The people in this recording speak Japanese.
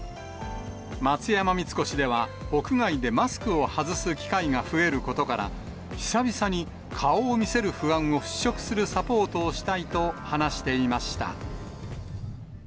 松山三越では、屋外でマスクを外す機会が増えることから、久々に顔を見せる不安を払拭するサポートをしたいと話していました。